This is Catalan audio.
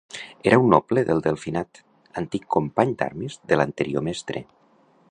Era un noble del Delfinat, antic company d'armes de l'anterior mestre.